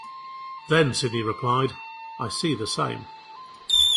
Then Sidney replied, 'I see the same.